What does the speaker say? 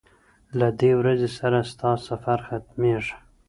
له دې ورځي سره ستا سفر ختمیږي